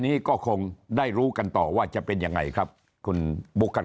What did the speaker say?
นี้ก็คงได้รู้กันต่อว่าจะเป็นยังไงครับคุณบุ๊คครับ